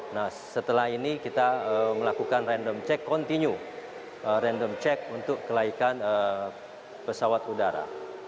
nah setelah ini kita melakukan random check continue random check untuk kelaikan pesawat udara